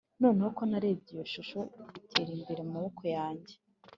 noneho uko narebye iyo shusho itera imbere mumaboko yanjye,